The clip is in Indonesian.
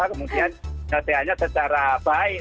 kemudian selesainya secara baik